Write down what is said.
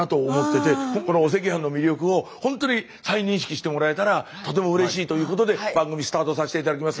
このお赤飯の魅力をほんとに再認識してもらえたらとてもうれしいということで番組スタートさせて頂きます。